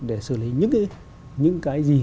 để xử lý những cái gì